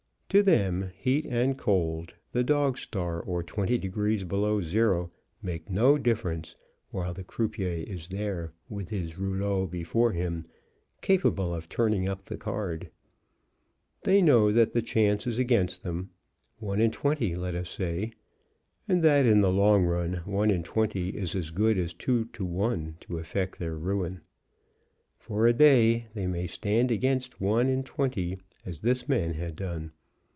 To them heat and cold, the dog star or twenty degrees below zero, make no difference while the croupier is there, with his rouleaux before him, capable of turning up the card. They know that the chance is against them, one in twenty, let us say, and that in the long run one in twenty is as good as two to one to effect their ruin. For a day they may stand against one in twenty, as this man had done.